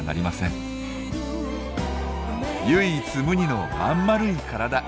唯一無二のまんまるい体。